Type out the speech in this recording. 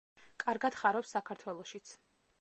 კარგად ხარობს საქართველოშიც.